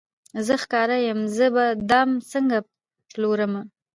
زه ښکاري یم زه به دام څنګه پلورمه